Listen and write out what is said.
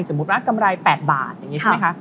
ว่ากำไร๘บาทอย่างนี้ใช่ไหมคะ